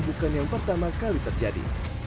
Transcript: bukan yang pertama kali terjadi